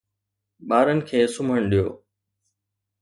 ٻارن کي سمهڻ ڏيو